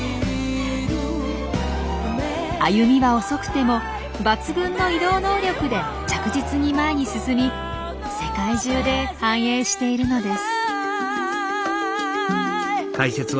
歩みは遅くても抜群の移動能力で着実に前に進み世界中で繁栄しているのです。